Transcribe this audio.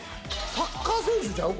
サッカー選手ちゃう？